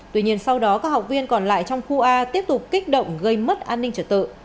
tuy nhiên sau đó các học viên còn lại trong khu a tiếp tục kích động gây mất an ninh trật tự